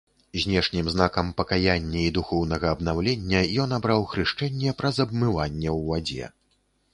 Знешнім знакам пакаяння і духоўнага абнаўлення ён абраў хрышчэнне праз абмыванне ў вадзе.